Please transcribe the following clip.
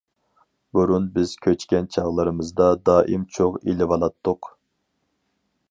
بۇرۇن بىز كۆچكەن چاغلىرىمىزدا دائىم چوغ ئېلىۋالاتتۇق.